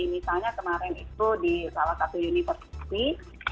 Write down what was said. misalnya kemarin itu di salah satu universitas